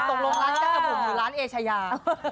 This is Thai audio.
ตกลงร้านจักรผมหรือร้านเอชายา